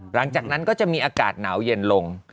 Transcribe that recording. หลังจากนั้นก็จะมีอากาศหนาวเย็นลง